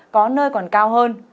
có nơi còn cao hơn